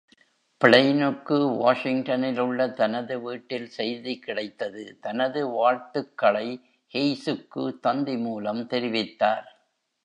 பிளைனுக்கு வாஷிங்டனில் உள்ள தனது வீட்டில் செய்தி கிடைத்தது, தனது வாழ்த்துக்களை ஹெய்ஸுக்கு தந்தி மூலம் தெரிவித்தார்.